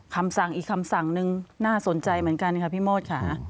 คำสั่งอีกคำสั่งนึงน่าสนใจเหมือนกันค่ะพี่โมดค่ะ